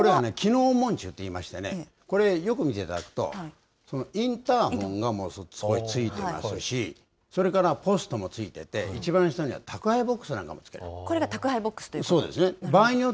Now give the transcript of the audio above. これは機能門柱といいまして、これ、よく見ていただくと、インターホンがそこについていますし、それからポストもついてて、一番下には宅配ボックスなんかもつけてある。